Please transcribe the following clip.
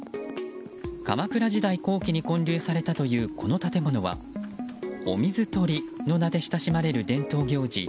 鎌倉時代後期に建立されたというこの建物はお水取りの名で親しまれる伝統行事